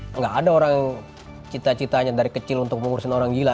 tidak ada orang yang cita citanya dari kecil untuk menguruskan orang gila